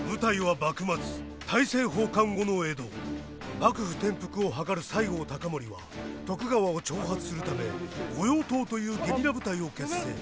幕府転覆を謀る西郷隆盛は徳川を挑発するため御用盗というゲリラ部隊を結成。